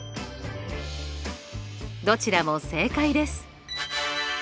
どちらも正解です！